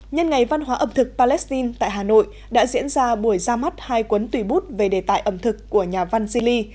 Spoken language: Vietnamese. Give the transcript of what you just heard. nhân ngày văn hóa ẩm thực palestine tại hà nội đã diễn ra buổi ra mắt hai cuốn tùy bút về đề tài ẩm thực của nhà văn zili